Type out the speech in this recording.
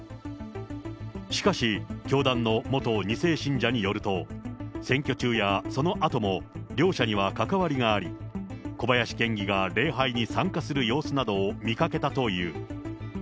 しかし、教団の元２世信者によると、選挙中やそのあとも、両者には関わりがあり、小林県議が礼拝に参加する様子などを見かけたという。